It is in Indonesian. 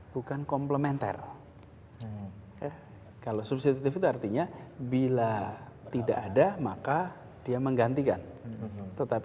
bukan komplementer ya kalau substitutif itu artinya bila tidak ada maka dia menggantikan tetapi